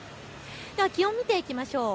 では気温、見ていきましょう。